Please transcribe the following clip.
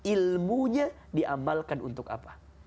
ilmunya diamalkan untuk apa